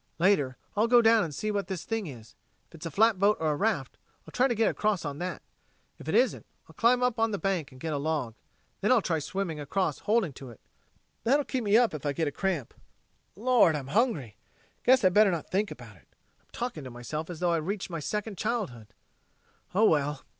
Later I'll go down and see what that thing is. If it's a flatboat or a raft, I'll try to get across on that. If it isn't, I'll climb up the bank and get a log. Then I'll try swimming across holding to it. That'll keep me up if I get a cramp. Lord, I'm hungry! Guess I'd better not think about it. I'm talking to myself as though I'd reached my second childhood. Oh, well...."